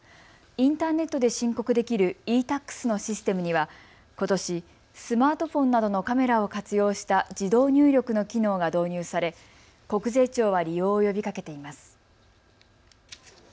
インターネットで申告できるｅ−Ｔａｘのシステムにはことし、スマートフォンなどのカメラを活用した自動入力の機能が導入され国税庁は利用を呼びかけています。